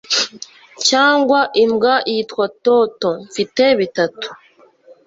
cyangwa imbwa yitwa toto; mfite bitatu